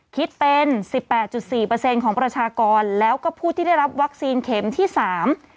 คิดเป็นสิบแปดจุดสี่เปอร์เซ็นต์ของประชากรแล้วก็ผู้ที่ได้รับวัคซีนเข็มที่สาม